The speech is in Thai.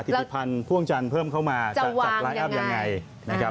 ถิติพันธ์พ่วงจันทร์เพิ่มเข้ามาจะจัดไลน์อัพยังไงนะครับ